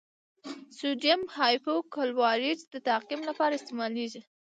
سوډیم هایپوکلورایټ د تعقیم لپاره استعمالیږي.